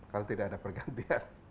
kalau tidak ada pergantian